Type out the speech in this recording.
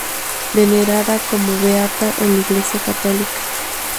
Venerada como beata en la Iglesia católica.